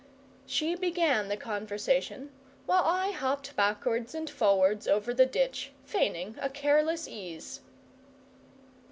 She began the conversation, while I hopped backwards and forwards over the ditch, feigning a careless ease.